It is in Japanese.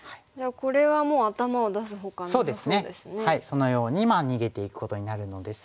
そのように逃げていくことになるのですが。